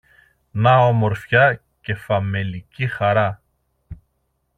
Να ομορφιά και φαμελική χαρά